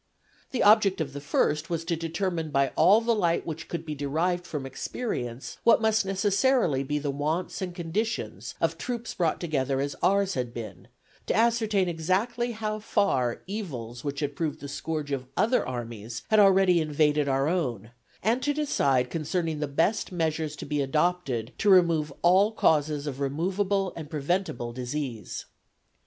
The object of the first was to determine by all the light which could be derived from experience what must necessarily be the wants and conditions of troops brought together as ours had been, to ascertain exactly how far evils which had proved the scourge of other armies had already invaded our own, and to decide concerning the best measures to be adopted to remove all causes of removable and preventable disease.